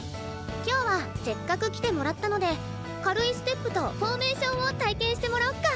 今日はせっかく来てもらったので軽いステップとフォーメーションを体験してもらおっか。